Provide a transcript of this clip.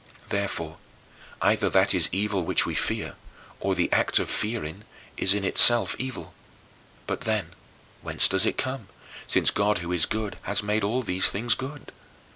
Therefore, either that is evil which we fear, or the act of fearing is in itself evil. But, then, whence does it come, since God who is good has made all these things good?